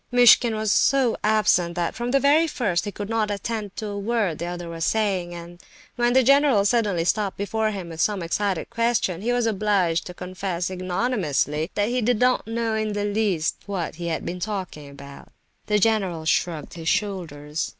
Muishkin was so absent, that from the very first he could not attend to a word the other was saying; and when the general suddenly stopped before him with some excited question, he was obliged to confess, ignominiously, that he did not know in the least what he had been talking about. The general shrugged his shoulders.